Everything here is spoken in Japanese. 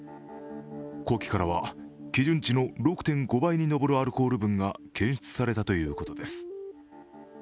呼気からは基準値の６．５倍にのぼるアルコール分が検出されたということです。